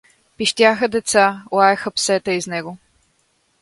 Пищяха деца, лаеха псета из него.